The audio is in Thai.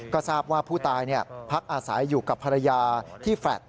ก็ทราบว่าผู้ตายพักอาศัยอยู่กับภรรยาที่แฟลต